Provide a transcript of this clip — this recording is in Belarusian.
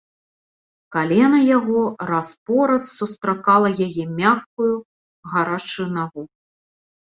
Калена яго раз-пораз сустракала яе мяккую гарачую нагу.